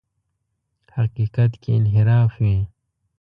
حقیقت کې انحراف وي.